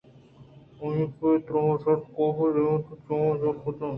آئی ءَ پہ احترام ءُشرف کافءِ دیما وتی چماں جہل کُت اَنت